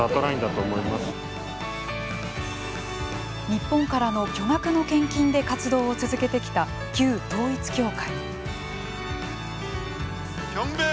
日本からの巨額の献金で活動を続けてきた旧統一教会。